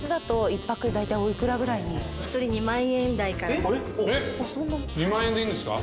えっ２万円でいいんですか？